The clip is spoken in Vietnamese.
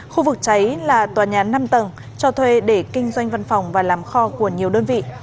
khu vực cháy là tòa nhà năm tầng cho thuê để kinh doanh văn phòng và làm kho của nhiều đơn vị